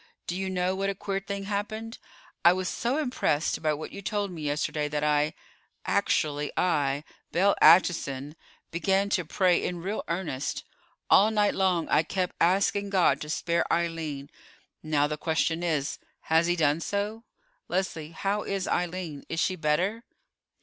Do you know what a queer thing happened? I was so impressed by what you told me yesterday that I, actually I, Belle Acheson, began to pray in real earnest. All night long I kept asking God to spare Eileen; and now the question is, has He done so? Leslie, how is Eileen? Is she better?"